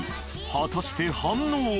果たして反応は？